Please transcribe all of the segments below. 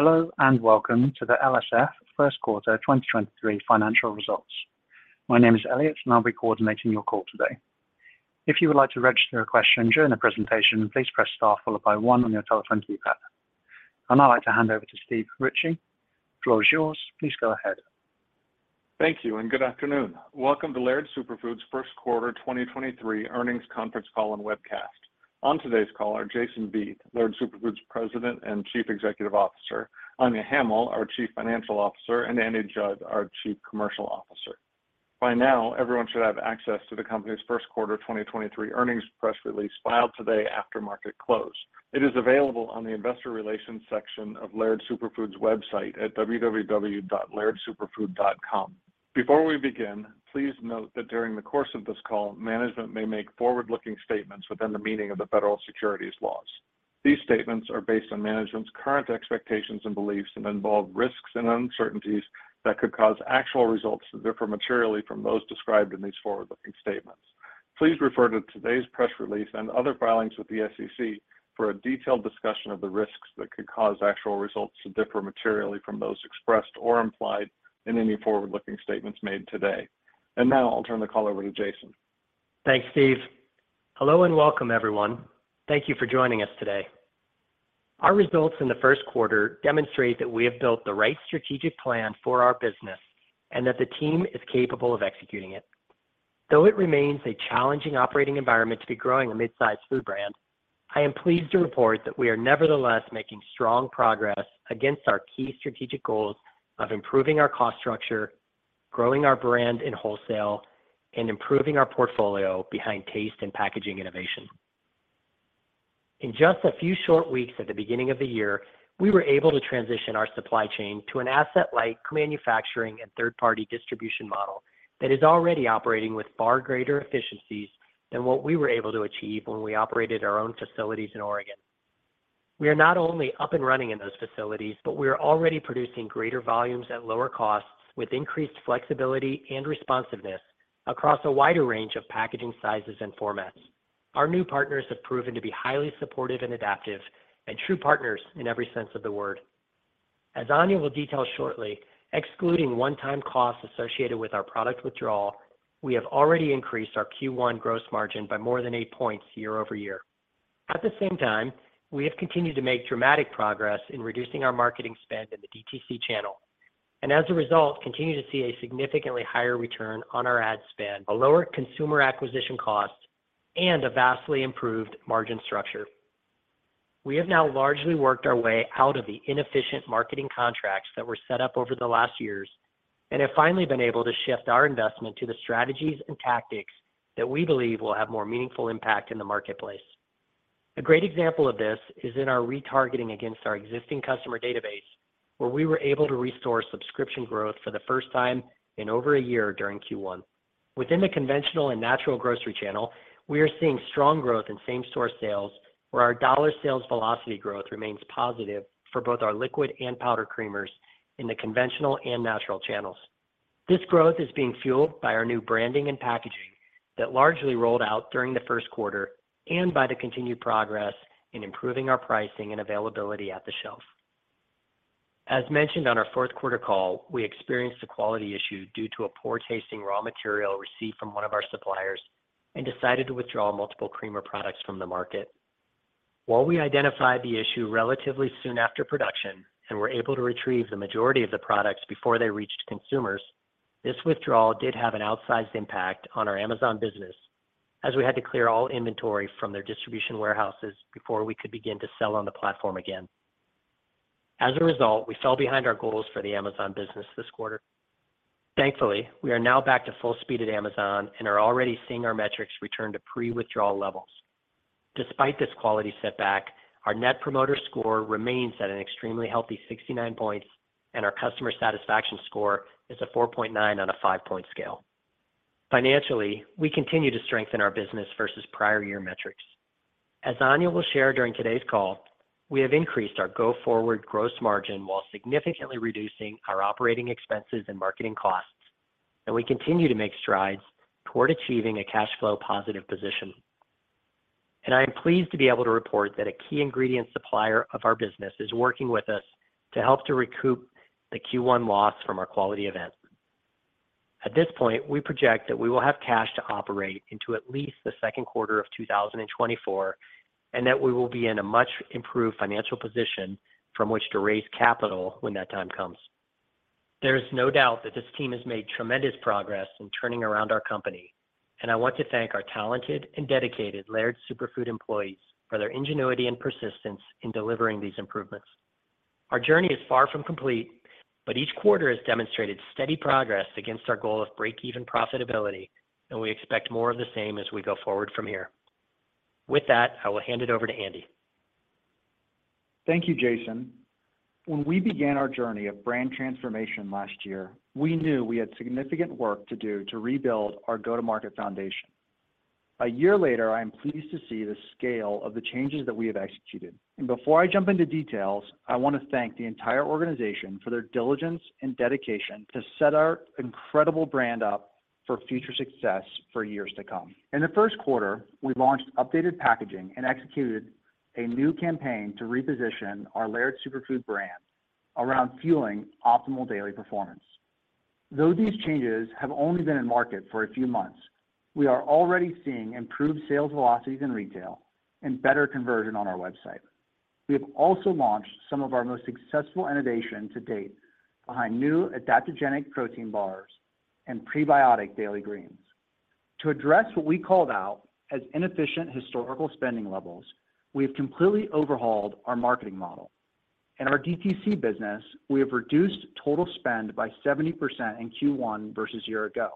Hello and welcome to the LSF Q1 2023 financial results. My name is Elliot, and I'll be coordinating your call today. If you would like to register a question during the presentation, please press star followed by 1 on your telephone keypad. I'd now like to hand over to Steve Ritchie. The floor is yours. Please go ahead. Thank you. Good afternoon. Welcome to Laird Superfood's Q1 2023 earnings conference call and webcast. On today's call are Jason Vieth, Laird Superfood's President and Chief Executive Officer, Anya Hamill, our Chief Financial Officer, and Andy Judd, our Chief Commercial Officer. By now, everyone should have access to the company's Q1 2023 earnings press release filed today after market close. It is available on the investor relations section of Laird Superfood's website at www.lairdsuperfood.com. Before we begin, please note that during the course of this call, management may make forward-looking statements within the meaning of the federal securities laws. These statements are based on management's current expectations and beliefs and involve risks and uncertainties that could cause actual results to differ materially from those described in these forward-looking statements. Please refer to today's press release and other filings with the SEC for a detailed discussion of the risks that could cause actual results to differ materially from those expressed or implied in any forward-looking statements made today. Now I'll turn the call over to Jason. Thanks, Steve. Hello, and welcome, everyone. Thank you for joining us today. Our results in the Q1 demonstrate that we have built the right strategic plan for our business and that the team is capable of executing it. Though it remains a challenging operating environment to be growing a mid-sized food brand, I am pleased to report that we are nevertheless making strong progress against our key strategic goals of improving our cost structure, growing our brand in wholesale, and improving our portfolio behind taste and packaging innovation. In just a few short weeks at the beginning of the year, we were able to transition our supply chain to an asset-light manufacturing and third-party distribution model that is already operating with far greater efficiencies than what we were able to achieve when we operated our own facilities in Oregon. We are not only up and running in those facilities, but we are already producing greater volumes at lower costs with increased flexibility and responsiveness across a wider range of packaging sizes and formats. Our new partners have proven to be highly supportive and adaptive and true partners in every sense of the word. As Anya will detail shortly, excluding one-time costs associated with our product withdrawal, we have already increased our Q1 gross margin by more than eight points year-over-year. At the same time, we have continued to make dramatic progress in reducing our marketing spend in the DTC channel, and as a result, continue to see a significantly higher return on our ad spend, a lower consumer acquisition cost, and a vastly improved margin structure. We have now largely worked our way out of the inefficient marketing contracts that were set up over the last years and have finally been able to shift our investment to the strategies and tactics that we believe will have more meaningful impact in the marketplace. A great example of this is in our retargeting against our existing customer database, where we were able to restore subscription growth for the first time in over a year during Q1. Within the conventional and natural grocery channel, we are seeing strong growth in same store sales where our dollar sales velocity growth remains positive for both our liquid and powder creamers in the conventional and natural channels. This growth is being fueled by our new branding and packaging that largely rolled out during the Q1 and by the continued progress in improving our pricing and availability at the shelf. As mentioned on our Q4 call, we experienced a quality issue due to a poor-tasting raw material received from one of our suppliers and decided to withdraw multiple creamer products from the market. While we identified the issue relatively soon after production and were able to retrieve the majority of the products before they reached consumers, this withdrawal did have an outsized impact on our Amazon business as we had to clear all inventory from their distribution warehouses before we could begin to sell on the platform again. As a result, we fell behind our goals for the Amazon business this quarter. Thankfully, we are now back to full speed at Amazon and are already seeing our metrics return to pre-withdrawal levels. Despite this quality setback, our net promoter score remains at an extremely healthy 69 points, and our customer satisfaction score is a 4.9 on a five-point scale. Financially, we continue to strengthen our business versus prior year metrics. As Anya Hamill will share during today's call, we have increased our go-forward gross margin while significantly reducing our operating expenses and marketing costs, and we continue to make strides toward achieving a cash flow positive position. I am pleased to be able to report that a key ingredient supplier of our business is working with us to help to recoup the Q1 loss from our quality event. At this point, we project that we will have cash to operate into at least the Q2 of 2024, and that we will be in a much improved financial position from which to raise capital when that time comes. There is no doubt that this team has made tremendous progress in turning around our company, and I want to thank our talented and dedicated Laird Superfood employees for their ingenuity and persistence in delivering these improvements. Our journey is far from complete, but each quarter has demonstrated steady progress against our goal of break-even profitability, and we expect more of the same as we go forward from here. With that, I will hand it over to Andy. Thank you, Jason. When we began our journey of brand transformation last year, we knew we had significant work to do to rebuild our go-to-market foundation. A year later, I am pleased to see the scale of the changes that we have executed. Before I jump into details, I want to thank the entire organization for their diligence and dedication to set our incredible brand up. For future success for years to come. In the Q1, we launched updated packaging and executed a new campaign to reposition our Laird Superfood brand around fueling optimal daily performance. These changes have only been in market for a few months, we are already seeing improved sales velocities in retail and better conversion on our website. We have also launched some of our most successful innovation to date behind new adaptogenic protein bars and prebiotic daily greens. To address what we called out as inefficient historical spending levels, we have completely overhauled our marketing model. In our DTC business, we have reduced total spend by 70% in Q1 versus year ago,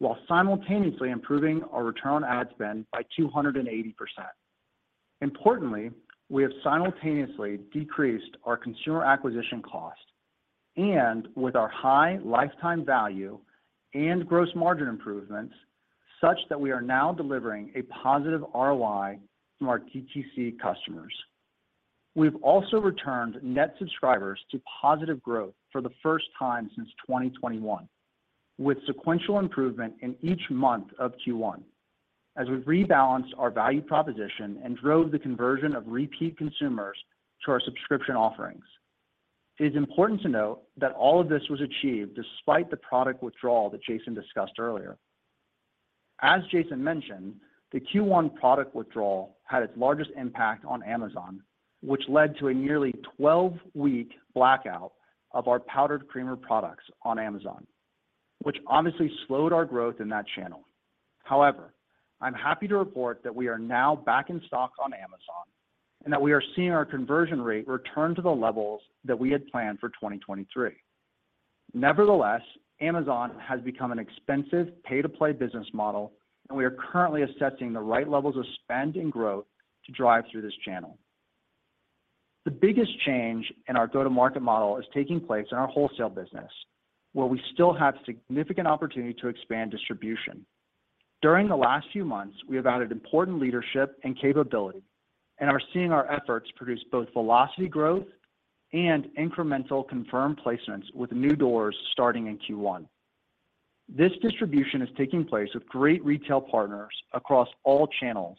while simultaneously improving our return on ad spend by 280%. Importantly, we have simultaneously decreased our consumer acquisition cost and with our high lifetime value and gross margin improvements such that we are now delivering a positive ROI from our DTC customers. We've also returned net subscribers to positive growth for the first time since 2021, with sequential improvement in each month of Q1 as we rebalanced our value proposition and drove the conversion of repeat consumers to our subscription offerings. It is important to note that all of this was achieved despite the product withdrawal that Jason discussed earlier. As Jason mentioned, the Q1 product withdrawal had its largest impact on Amazon, which led to a nearly 12-week blackout of our powdered creamer products on Amazon, which obviously slowed our growth in that channel. I'm happy to report that we are now back in stock on Amazon and that we are seeing our conversion rate return to the levels that we had planned for 2023. Amazon has become an expensive pay-to-play business model, and we are currently assessing the right levels of spend and growth to drive through this channel. The biggest change in our go-to-market model is taking place in our wholesale business, where we still have significant opportunity to expand distribution. During the last few months, we have added important leadership and capability and are seeing our efforts produce both velocity growth and incremental confirmed placements with new doors starting in Q1. This distribution is taking place with great retail partners across all channels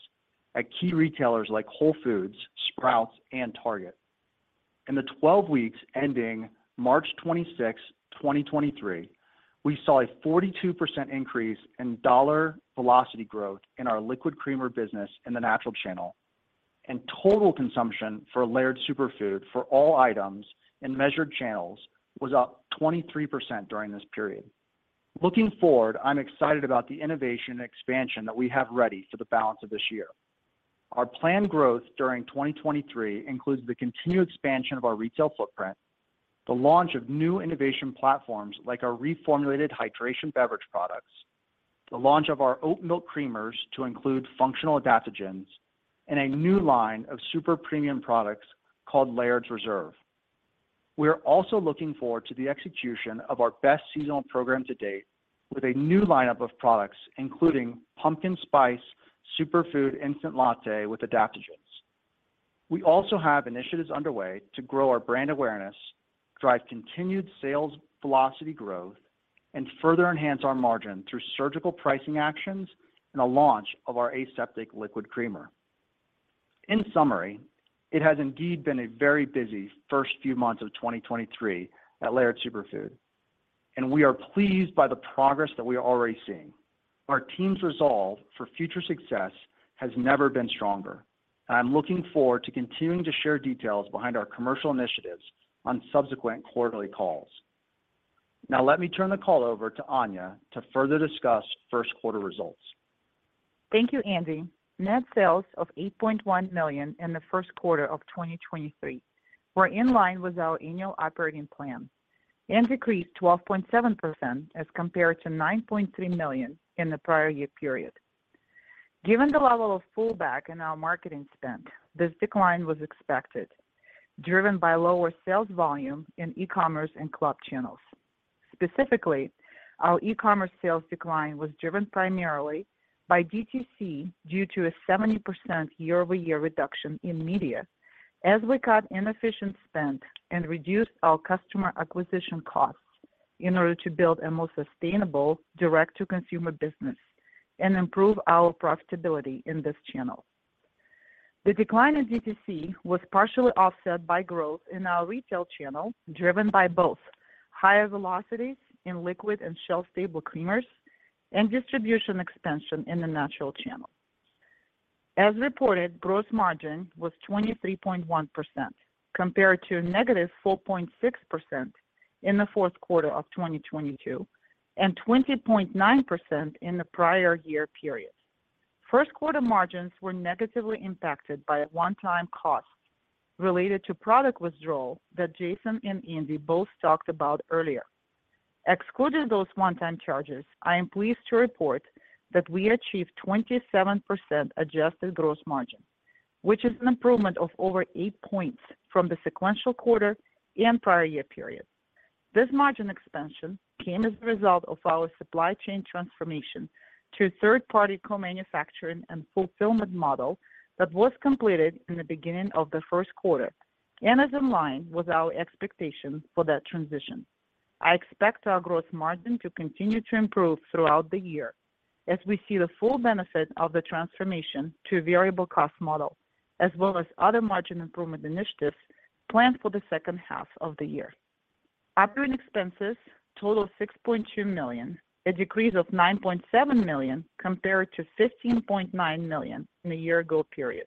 at key retailers like Whole Foods, Sprouts, and Target. In the 12 weeks ending March 26, 2023, we saw a 42% increase in dollar velocity growth in our liquid creamer business in the natural channel, and total consumption for Laird Superfood for all items in measured channels was up 23% during this period. Looking forward, I'm excited about the innovation and expansion that we have ready for the balance of this year. Our planned growth during 2023 includes the continued expansion of our retail footprint, the launch of new innovation platforms like our reformulated hydration beverage products, the launch of our oat milk creamers to include functional adaptogens, and a new line of super premium products called Laird Reserve. We are also looking forward to the execution of our best seasonal program to date with a new lineup of products, including Pumpkin Spice Superfood Instant Latte with adaptogens. We also have initiatives underway to grow our brand awareness, drive continued sales velocity growth, and further enhance our margin through surgical pricing actions and a launch of our aseptic liquid creamer. In summary, it has indeed been a very busy first few months of 2023 at Laird Superfood, we are pleased by the progress that we are already seeing. Our team's resolve for future success has never been stronger. I'm looking forward to continuing to share details behind our commercial initiatives on subsequent quarterly calls. Let me turn the call over to Anya to further discuss Q1 results. Thank you, Andy. Net sales of $8.1 million in the Q1 of 2023 were in line with our annual operating plan and decreased 12.7% as compared to $9.3 million in the prior year period. Given the level of pullback in our marketing spend, this decline was expected, driven by lower sales volume in e-commerce and club channels. Specifically, our e-commerce sales decline was driven primarily by DTC due to a 70% year-over-year reduction in media as we cut inefficient spend and reduced our customer acquisition costs in order to build a more sustainable direct-to-consumer business and improve our profitability in this channel. The decline in DTC was partially offset by growth in our retail channel, driven by both higher velocities in liquid and shelf-stable creamers and distribution expansion in the natural channel. As reported, gross margin was 23.1% compared to -4.6% in the Q4 of 2022, and 20.9% in the prior year period. Q1 margins were negatively impacted by a one-time cost related to product withdrawal that Jason and Andy both talked about earlier. Excluding those one-time charges, I am pleased to report that we achieved 27% adjusted gross margin, which is an improvement of over 8 points from the sequential quarter and prior year period. This margin expansion came as a result of our supply chain transformation to third-party co-manufacturing and fulfillment model that was completed in the beginning of the Q1. Is in line with our expectations for that transition. I expect our gross margin to continue to improve throughout the year as we see the full benefit of the transformation to a variable cost model, as well as other margin improvement initiatives planned for the second half of the year. Operating expenses totaled $6.2 million, a decrease of $9.7 million compared to $15.9 million in the year-ago period.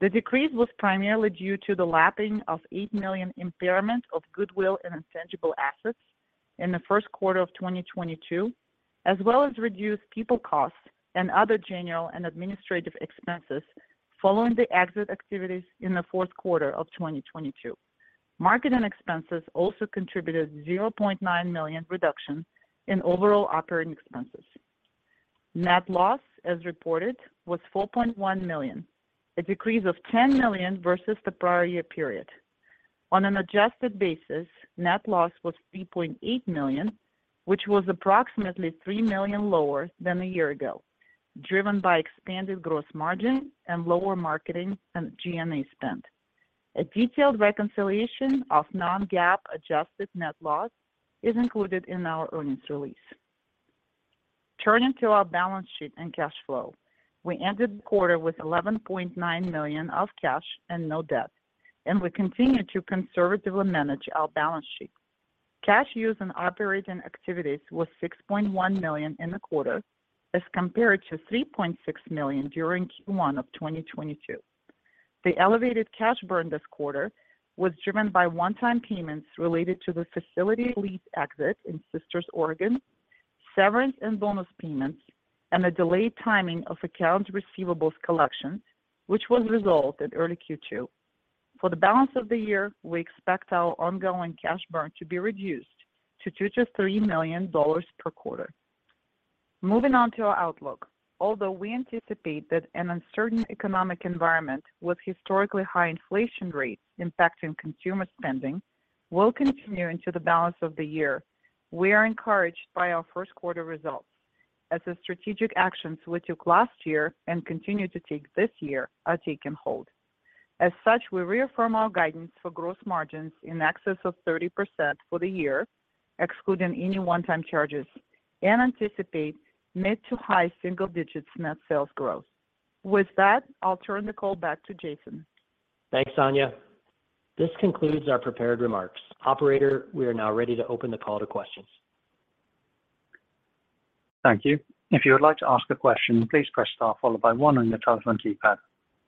The decrease was primarily due to the lapping of $8 million impairment of goodwill and intangible assets in the Q1 of 2022, as well as reduced people costs and other general and administrative expenses following the exit activities in the Q4 of 2022. Marketing expenses also contributed $0.9 million reduction in overall operating expenses. Net loss, as reported, was $4.1 million, a decrease of $10 million versus the prior year period. On an adjusted basis, net loss was $3.8 million, which was approximately $3 million lower than a year ago, driven by expanded gross margin and lower marketing and G&A spend. A detailed reconciliation of non-GAAP adjusted net loss is included in our earnings release. Turning to our balance sheet and cash flow. We ended the quarter with $11.9 million of cash and no debt, we continue to conservatively manage our balance sheet. Cash used in operating activities was $6.1 million in the quarter as compared to $3.6 million during Q1 of 2022. The elevated cash burn this quarter was driven by one-time payments related to the facility lease exit in Sisters, Oregon, severance and bonus payments, and a delayed timing of accounts receivables collection, which was resolved in early Q2. For the balance of the year, we expect our ongoing cash burn to be reduced to $2 million-3 million per quarter. Moving on to our outlook. Although we anticipate that an uncertain economic environment with historically high inflation rates impacting consumer spending will continue into the balance of the year, we are encouraged by our Q1 results as the strategic actions we took last year and continue to take this year are taking hold. As such, we reaffirm our guidance for gross margins in excess of 30% for the year, excluding any one-time charges, and anticipate mid-to-high single digits net sales growth. With that, I'll turn the call back to Jason Vieth. Thanks, Anya. This concludes our prepared remarks. Operator, we are now ready to open the call to questions. Thank you. If you would like to ask a question, please press star followed by one on your telephone keypad.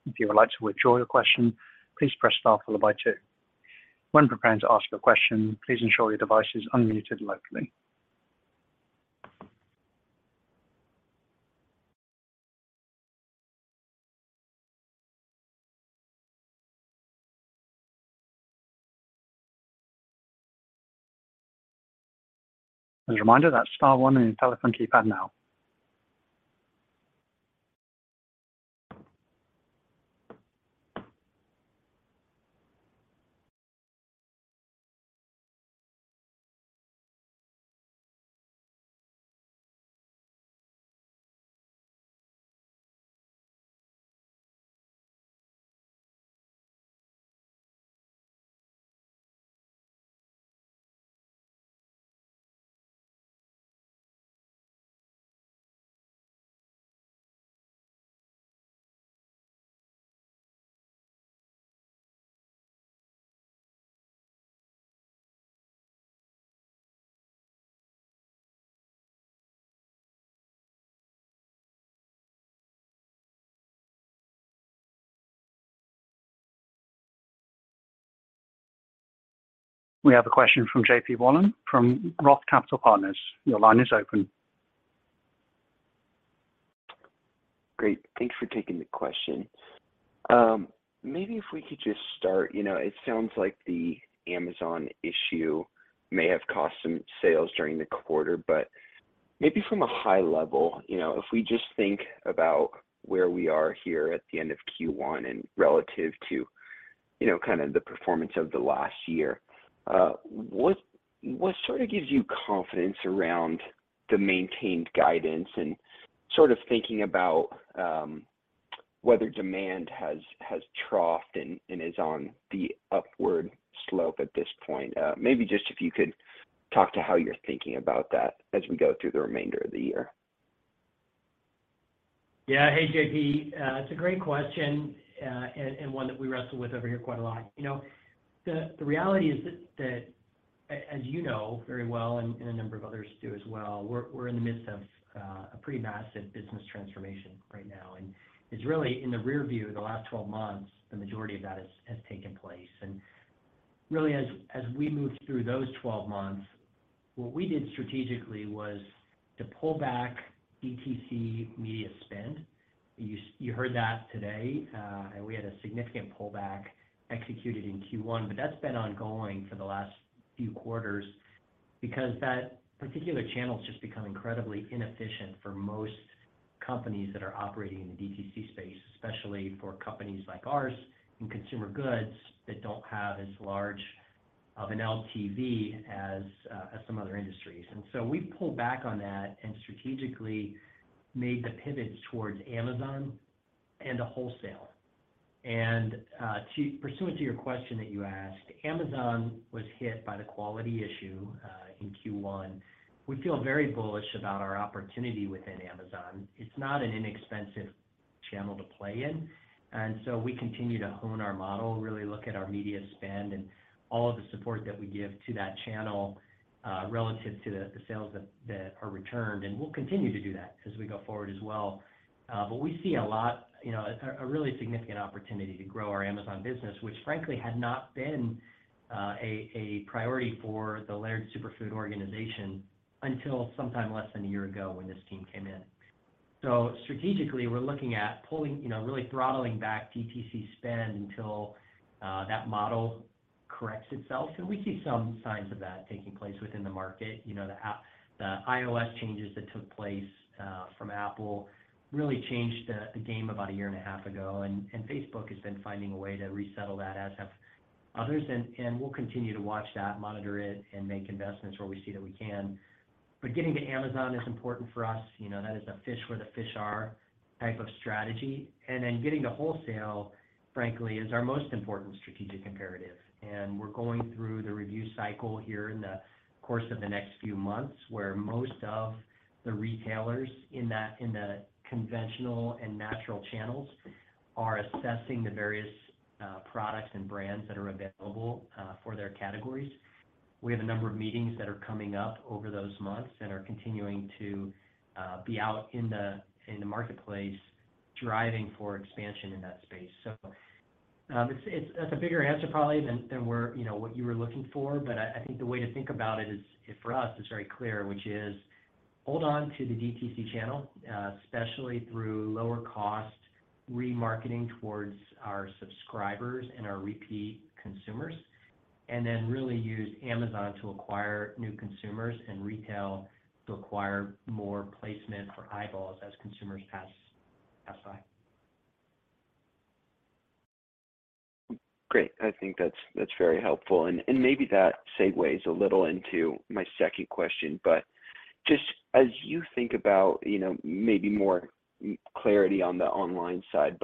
If you would like to withdraw your question, please press star followed by two. When preparing to ask a question, please ensure your device is unmuted locally. As a reminder, that's star one on your telephone keypad now. We have a question from JP Wollam from Roth Capital Partners. Your line is open. Great. Thanks for taking the question. Maybe if we could just start, you know, it sounds like the Amazon issue may have cost some sales during the quarter, but maybe from a high level, you know, if we just think about where we are here at the end of Q1 and relative to, you know, kind of the performance of the last year, what sort of gives you confidence around the maintained guidance and sort of thinking about whether demand has troughed and is on the upward slope at this point? Maybe just if you could talk to how you're thinking about that as we go through the remainder of the year. Yeah. Hey, JP. It's a great question, and one that we wrestle with over here quite a lot. You know, the reality is that as you know very well and a number of others do as well, we're in the midst of a pretty massive business transformation right now. It's really in the rearview, the last 12 months, the majority of that has taken place. Really as we moved through those 12 months, what we did strategically was to pull back DTC media spend. You heard that today, we had a significant pullback executed in Q1. That's been ongoing for the last few quarters because that particular channel's just become incredibly inefficient for most companies that are operating in the DTC space, especially for companies like ours in consumer goods that don't have as large of an LTV as some other industries. We've pulled back on that and strategically made the pivots towards Amazon and to wholesale. Pursuant to your question that you asked, Amazon was hit by the quality issue in Q1. We feel very bullish about our opportunity within Amazon. It's not an inexpensive channel to play in, and so we continue to hone our model, really look at our media spend and all of the support that we give to that channel relative to the sales that are returned, and we'll continue to do that as we go forward as well. We see you know, a really significant opportunity to grow our Amazon business, which frankly had not been a priority for the Laird Superfood organization until sometime less than 1 year ago when this team came in. Strategically, we're looking at you know, really throttling back DTC spend until that model corrects itself. We see some signs of that taking place within the market. You know, the iOS changes that took place from Apple really changed the game about 1.5 years ago, and Facebook has been finding a way to resettle that, as have others. We'll continue to watch that, monitor it, and make investments where we see that we can. Getting to Amazon is important for us. You know, that is a fish where the fish are type of strategy. Getting to wholesale, frankly, is our most important strategic imperative. We're going through the review cycle here in the course of the next few months, where most of the retailers in the conventional and natural channels are assessing the various products and brands that are available for their categories. We have a number of meetings that are coming up over those months and are continuing to be out in the marketplace driving for expansion in that space. That's a bigger answer probably than you know, what you were looking for. I think the way to think about it is, for us, it's very clear, which is hold on to the DTC channel, especially through lower cost remarketing towards our subscribers and our repeat consumers, and then really use Amazon to acquire new consumers and retail to acquire more placement for eyeballs as consumers pass by. Great. I think that's very helpful. Maybe that segues a little into my second question. Just as you think about, you know, maybe more clarity on the online side,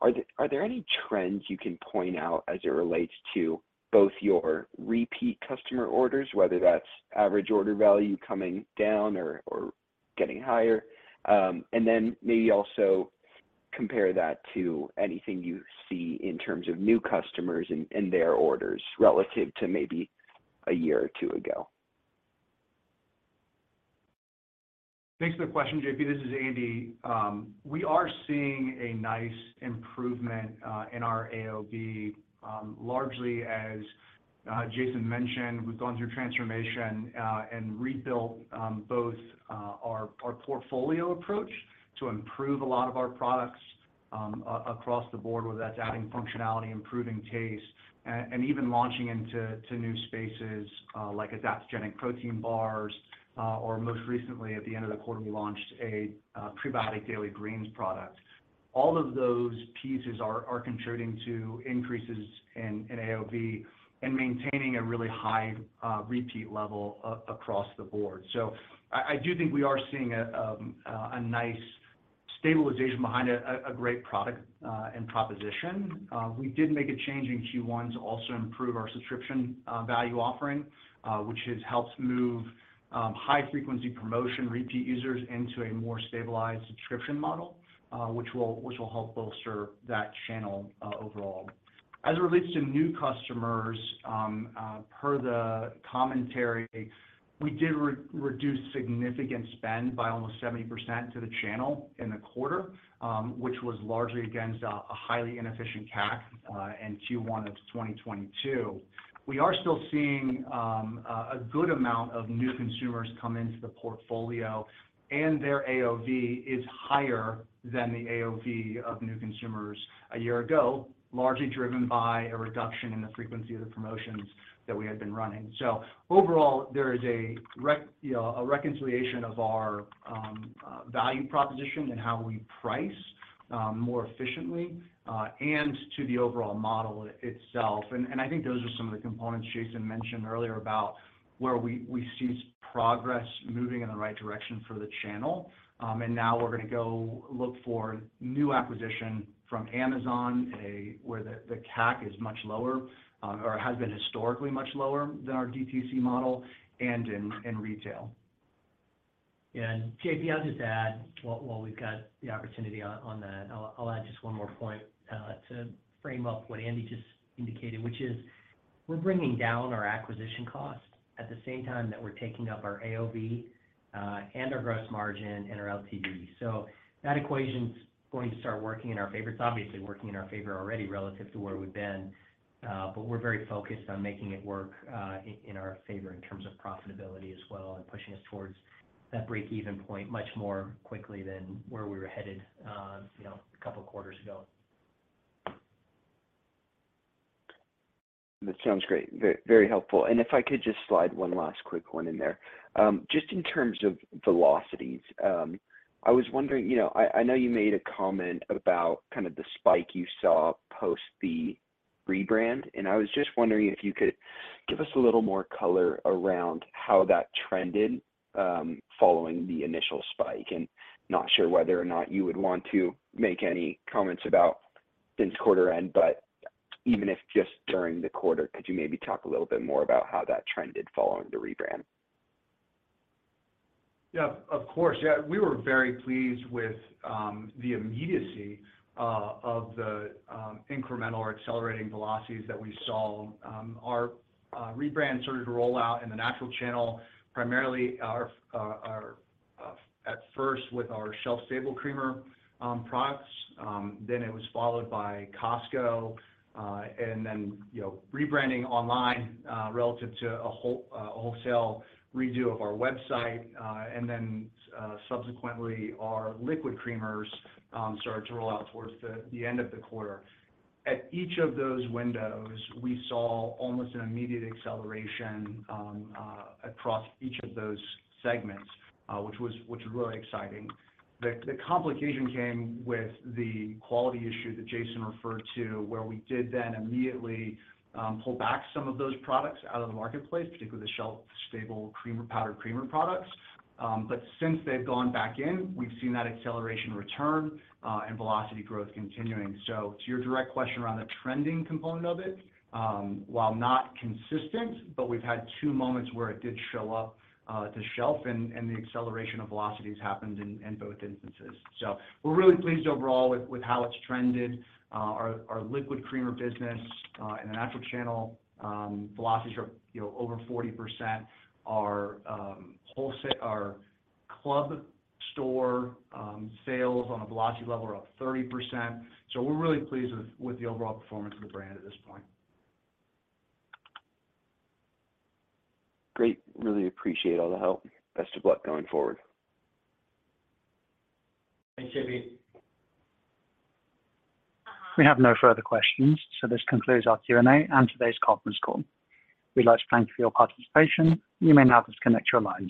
are there any trends you can point out as it relates to both your repeat customer orders, whether that's average order value coming down or getting higher? Then maybe also compare that to anything you see in terms of new customers and their orders relative to maybe a year or two ago. Thanks for the question, JP. This is Andy. We are seeing a nice improvement in our AOV. Largely as Jason mentioned, we've gone through a transformation and rebuilt both our portfolio approach to improve a lot of our products across the board, whether that's adding functionality, improving taste, and even launching into new spaces, like adaptogenic protein bars, or most recently at the end of the quarter, we launched a prebiotic daily greens product. All of those pieces are contributing to increases in AOV and maintaining a really high repeat level across the board. I do think we are seeing a nice stabilization behind a great product and proposition. We did make a change in Q1 to also improve our subscription value offering, which has helped move high frequency promotion repeat users into a more stabilized subscription model, which will help bolster that channel overall. As it relates to new customers, per the commentary, we did re-reduce significant spend by almost 70% to the channel in the quarter, which was largely against a highly inefficient CAC in Q1 of 2022. We are still seeing a good amount of new consumers come into the portfolio, and their AOV is higher than the AOV of new consumers a year ago, largely driven by a reduction in the frequency of the promotions that we had been running. Overall, there is a you know, a reconciliation of our value proposition and how we price more efficiently and to the overall model itself. I think those are some of the components Jason mentioned earlier about where we see progress moving in the right direction for the channel. Now we're gonna go look for new acquisition from Amazon where the CAC is much lower or has been historically much lower than our DTC model and in retail. Yeah. JP, I'll just add while we've got the opportunity on that, I'll add just one more point to frame up what Andy just indicated, which is we're bringing down our acquisition cost at the same time that we're taking up our AOV and our gross margin and our LTV. That equation's going to start working in our favor. It's obviously working in our favor already relative to where we've been, but we're very focused on making it work in our favor in terms of profitability as well and pushing us towards that breakeven point much more quickly than where we were headed, you know, a couple quarters ago. That sounds great. Very helpful. If I could just slide one last quick one in there. Just in terms of velocities, I was wondering, you know, I know you made a comment about kind of the spike you saw post the rebrand, and I was just wondering if you could give us a little more color around how that trended following the initial spike. Not sure whether or not you would want to make any comments about since quarter end, but even if just during the quarter, could you maybe talk a little bit more about how that trended following the rebrand? Yeah, of course. Yeah, we were very pleased with the immediacy of the incremental or accelerating velocities that we saw. Our rebrand started to roll out in the natural channel, primarily at first with our shelf-stable creamer products. It was followed by Costco, and then, you know, rebranding online relative to a wholesale redo of our website. Subsequently our liquid creamers started to roll out towards the end of the quarter. At each of those windows, we saw almost an immediate acceleration across each of those segments, which was really exciting. The complication came with the quality issue that Jason referred to, where we did then immediately pull back some of those products out of the marketplace, particularly the shelf-stable creamer, powdered creamer products. Since they've gone back in, we've seen that acceleration return and velocity growth continuing. To your direct question around the trending component of it, while not consistent, but we've had two moments where it did show up at the shelf and the acceleration of velocities happened in both instances. We're really pleased overall with how it's trended. Our liquid creamer business in the natural channel, velocities are, you know, over 40%. Our club store sales on a velocity level are up 30%. We're really pleased with the overall performance of the brand at this point. Great. Really appreciate all the help. Best of luck going forward. Thanks, JP. We have no further questions, so this concludes our Q&A and today's conference call. We'd like to thank you for your participation. You may now disconnect your lines.